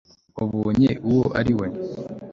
wabonye uwo ari we